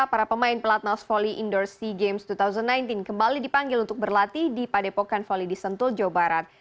para pemain pelatnas volley indoor sea games dua ribu sembilan belas kembali dipanggil untuk berlatih di padepokan volley di sentul jawa barat